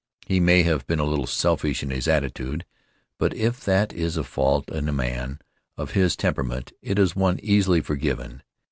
He may have been a little selfish in his attitude, but if that is a fault in a man of his temperament it is one easily for given.